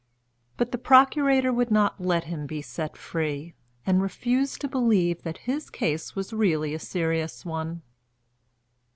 But the procurator would not let him be set free, and refused to believe that his case was really a serious one.